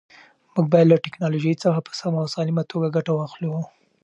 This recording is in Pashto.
موږ باید له ټیکنالوژۍ څخه په سمه او سالمه توګه ګټه واخلو.